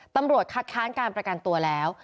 ตำรวจคัดค้านการประกันตัวแล้ว